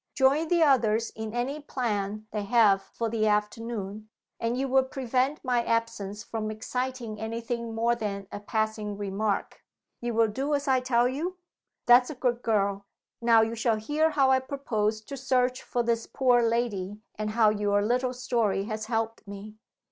Join the others in any plan they have for the afternoon and you will prevent my absence from exciting any thing more than a passing remark. You will do as I tell you? That's a good girl! Now you shall hear how I propose to search for this poor lady, and how your little story has helped me."